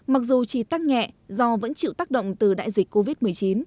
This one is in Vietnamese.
mặc dù chỉ tăng nhẹ do vẫn chịu tác động từ đại dịch covid một mươi chín